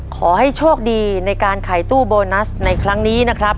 ขอให้โชคดีในการขายตู้โบนัสในครั้งนี้นะครับ